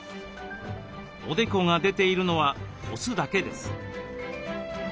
おでこが出ているのはオスだけです。